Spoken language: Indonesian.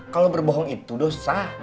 kalau berbohong itu dosa